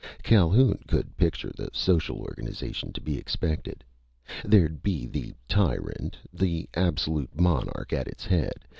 Calhoun could picture the social organization to be expected. There'd be the tyrant; the absolute monarch at its head.